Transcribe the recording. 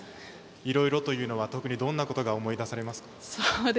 いろいろというのは特にどんなことが思い出されますか？